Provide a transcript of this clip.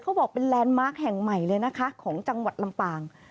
เขาบอกเป็นแลนด์มาร์คแห่งใหม่เลยนะคะของจังหวัดลำปาง